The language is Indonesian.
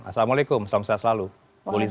assalamualaikum salam sejahtera selalu bu liza